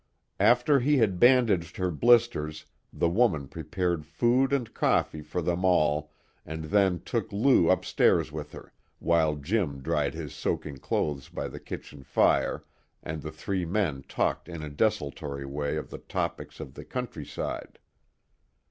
After he had bandaged her blisters the woman prepared food and coffee for them all and then took Lou upstairs with her, while Jim dried his soaking clothes by the kitchen fire and the three men talked in a desultory way of the topics of the countryside.